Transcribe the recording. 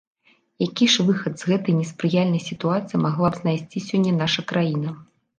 Які ж выхад з гэтай неспрыяльнай сітуацыі магла б знайсці сёння наша краіна?